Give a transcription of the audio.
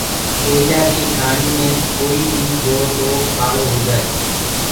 ڪوئيِلآ ڪيٚ کآڻي مي ڪوئيٚ بيٚ گو تو کآݪو هوجآسي۔